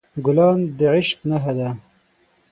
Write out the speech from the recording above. ګلان د عشق نښه ده.